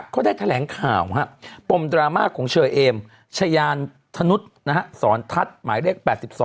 เขาได้แถลงข่าวปมดราม่าของเชอเอมชายานธนุษย์สอนทัศน์หมายเลข๘๒